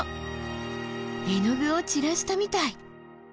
絵の具を散らしたみたい！